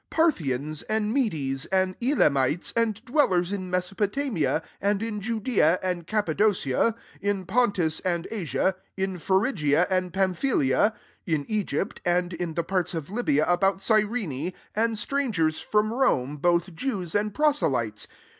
9 Parthians, and Medea, and Elamites, and dwellers in Me sopotamia, and in Judeaf and Cappadocia, in Pontus and Asia» 10 in Phrygia and Pamphylia^ in Egypt and in the parts of Libya about Cyrene, ana strang ers from Rome, both Jews and proselytes.